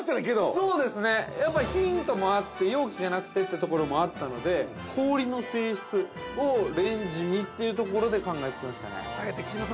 ◆そうですね、やっぱりヒントもあって、容器じゃなくてというところもあったので氷の性質をレンジにというところで考えつきましたね。